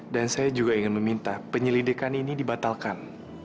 dan saya juga ingin meminta penyelidikan ini dibatalkan